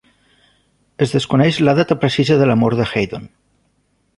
Es desconeix la data precisa de la mort de Heydon.